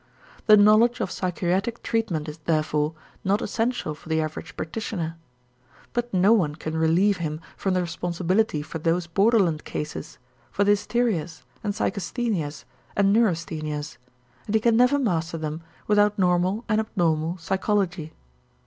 The knowledge of psychiatric treatment is, therefore, not essential for the average practitioner. But no one can relieve him from the responsibility for those borderland cases, for the hysterias and psychasthenias and neurasthenias, and he can never master them without normal and abnormal psychology.